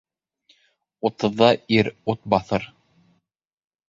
Утыҙҙа ир ут баҫыр.